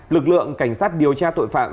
lực lượng cảnh sát điều tra tội phạm